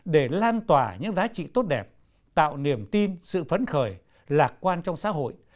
để lan tỏa những giá trị tốt đẹp tạo niềm tin sự phấn khởi lạc quan trong xã hội